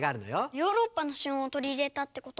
ヨーロッパの旬をとりいれたってこと？